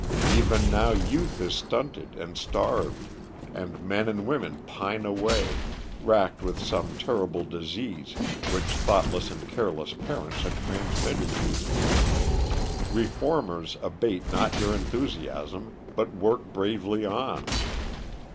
Even now youth is stunted and starved, and men and women pine away, racked with some terrible disease which thoughtless and careless parents have transmitted to them. Reformers abate not your enthusiasm, but work bravely on.